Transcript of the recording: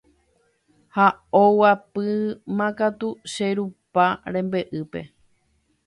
Ha oguapýmakatu che rupa rembe'ýpe.